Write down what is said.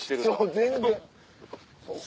全然。